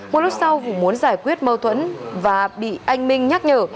một lúc sau vũ muốn giải quyết mâu thuẫn và bị anh minh nhắc nhở